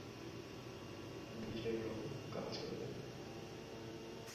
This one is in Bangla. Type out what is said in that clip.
বীজের রং কালচে বাদামি।